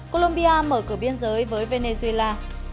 colombia mở cửa biên giới với venezuela